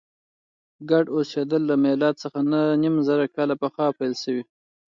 ګډ اوسېدل له میلاد څخه نهه نیم زره کاله پخوا پیل شوي.